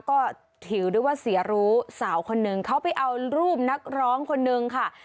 ก็ถือได้ว่าเสียรู้สาวคนนึงเขาไปเอารูปนักร้องคนนึงค่ะ